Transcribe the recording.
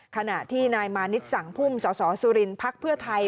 ขณะที่นายมานิดสังพุ่มสสสุรินทร์พักเพื่อไทย